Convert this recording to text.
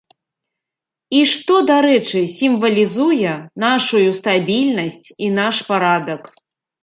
І што, дарэчы, сімвалізуе нашую стабільнасць і наш парадак.